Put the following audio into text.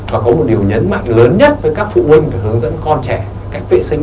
và có một điều nhấn mạnh lớn nhất với các phụ huynh và hướng dẫn con trẻ cách vệ sinh